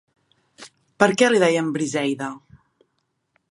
Per què li deien Briseida?